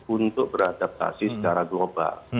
untuk beradaptasi secara global